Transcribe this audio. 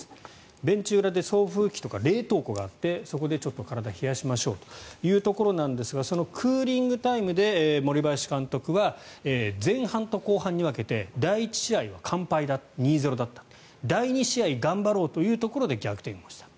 ベンチ裏で送風機とか冷凍庫があってそこでちょっと体を冷やしましょうというところですがそのクーリングタイムで森林監督は前半と後半に分けて、第１試合は完敗だった２−０だった第２試合頑張ろうというところで逆転でした。